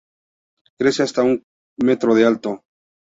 Crece hasta un metro de alto.